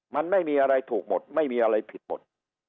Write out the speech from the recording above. มันไม่มีอะไรถูกหมดไม่มีอะไรผิดหมด